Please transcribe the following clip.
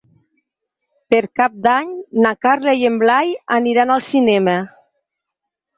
Per Cap d'Any na Carla i en Blai aniran al cinema.